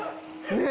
ねえ。